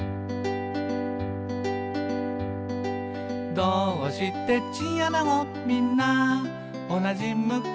「どーうしてチンアナゴみんなおなじ向き？」